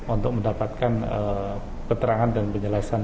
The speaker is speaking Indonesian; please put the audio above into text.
untuk mendapatkan keterangan dan penjelasan